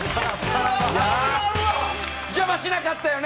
邪魔しなかったよね！